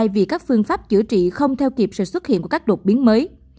vì các phương pháp chữa trị không theo kịp sự xuất hiện của các đột biến mới